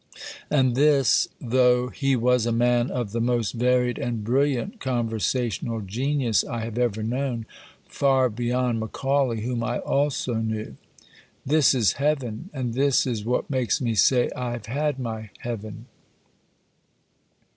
(And this tho' he was a man of the most varied and brilliant conversational genius I have ever known far beyond Macaulay whom I also knew.) This is Heaven; and this is what makes me say "I have had my heaven."